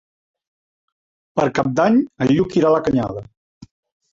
Per Cap d'Any en Lluc irà a la Canyada.